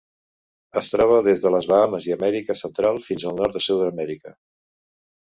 Es troba des de les Bahames i l'Amèrica Central fins al nord de Sud-amèrica.